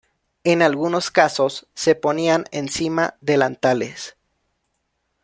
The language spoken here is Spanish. En algunos casos se ponían encima delantales.